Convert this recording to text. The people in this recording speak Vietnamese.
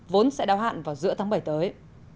vốn sẽ đào hạn vào giữa tháng bảy tới